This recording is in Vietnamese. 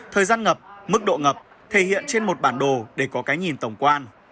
thời gian ngập mức độ ngập thể hiện trên một bản đồ để có cái nhìn tổng quan